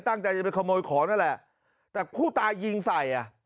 ตั้งใจได้ไปขโมยของนะแหละแต่พหู้ตายยิงใส่น่ะ